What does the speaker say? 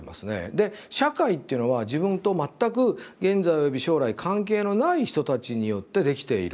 で「社会」っていうのは自分と全く現在および将来関係のない人たちによって出来ている。